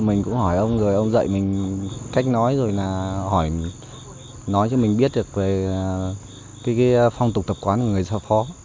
mình cũng hỏi ông rồi ông dạy mình cách nói rồi là hỏi nói cho mình biết được về phong tục tập quán của người giao phó